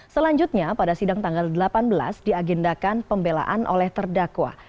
selanjutnya pada sidang tanggal delapan belas diagendakan pembelaan oleh terdakwa